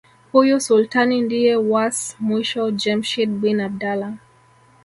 Huyu Sultani ndiye was mwisho Jemshid bin abdalla